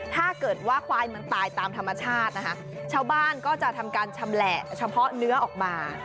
ถ้าเกิดว่าควายมันตายตามธรรมชาตินะคะชาวบ้านก็จะทำการชำแหละเฉพาะเนื้อออกมา